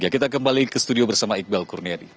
kita kembali ke studio bersama iqbal kurniadi